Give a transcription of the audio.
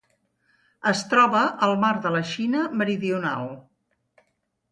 Es troba al Mar de la Xina Meridional.